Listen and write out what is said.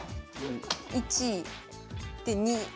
１で２。